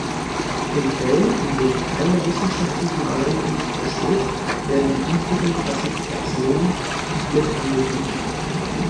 In Fällen, in denen keine wissenschaftliche Übereinkunft besteht, werden die übrigen Klassifikationen mit angegeben.